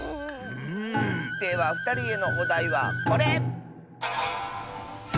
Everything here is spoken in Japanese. ではふたりへのおだいはこれ！